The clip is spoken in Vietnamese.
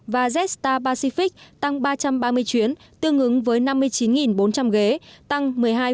và jetstar pacific tăng ba trăm ba mươi chuyến tương ứng với năm mươi chín bốn trăm linh ghế tăng một mươi hai